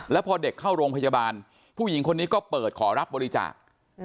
แล้วพอเด็กเข้าโรงพยาบาลผู้หญิงคนนี้ก็เปิดขอรับบริจาค